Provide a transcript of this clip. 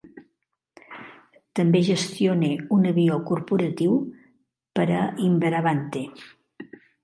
També gestiona un avió corporatiu per a Inveravante.